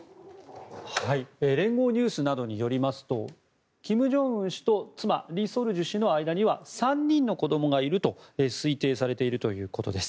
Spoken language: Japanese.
連合ニュースなどによりますと金正恩氏と妻・李雪主氏の間には３人の子どもがいると推定されているということです。